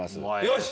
よし！